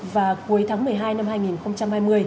và cuối tháng một mươi hai năm hai nghìn hai mươi